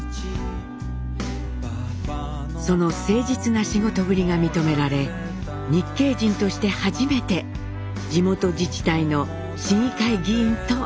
その誠実な仕事ぶりが認められ日系人として初めて地元自治体の市議会議員となりました。